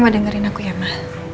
mama dengerin aku ya ma